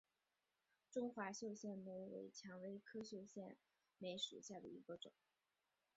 中华绣线梅为蔷薇科绣线梅属下的一个种。